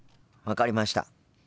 分かりました。